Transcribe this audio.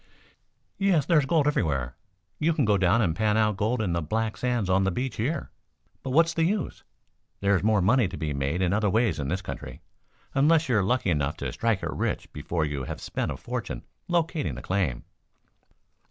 "Yes, there's gold everywhere. You can go down and pan out gold in the black sands on the beach here. But what's the use? There is more money to be made in other ways in this country, unless you are lucky enough to strike it rich before you have spent a fortune locating the claim."